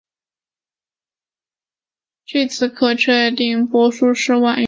据此可确认帛书是晚于简书。